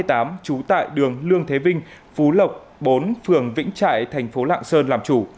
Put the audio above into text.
trú tại đường lương thế vinh phú lộc bốn phường vĩnh trại thành phố lạng sơn làm chủ